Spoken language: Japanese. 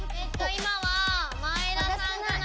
今は前田さんかな。